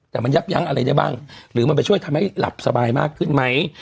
แต่มันยับยั้งอะไรได้บ้างหรือมันไปช่วยทำให้หลับสบายมากขึ้นไหม